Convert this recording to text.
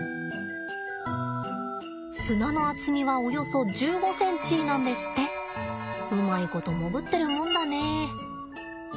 砂の厚みはおよそ１５ｃｍなんですってうまいこと潜ってるもんだね。